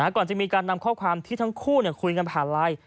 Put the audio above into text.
ก่อนจะมีการนำข้อความที่ทั้งคู่คุยกันผ่านไลน์